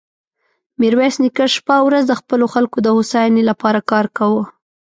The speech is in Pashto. ميرويس نيکه شپه او ورځ د خپلو خلکو د هوساينې له پاره کار کاوه.